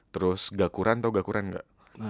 terus gakuran tau gakuran gak